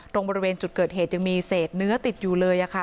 บริเวณจุดเกิดเหตุยังมีเศษเนื้อติดอยู่เลยค่ะ